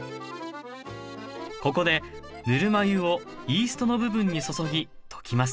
ここでぬるま湯をイーストの部分に注ぎ溶きます